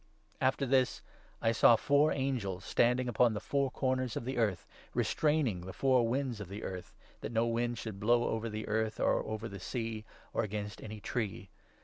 After this, I saw four angels standing ' upon the four i corners of the earth,' restraining the four winds of the earth, that no wind should blow over the earth, or over the sea, or against any tree.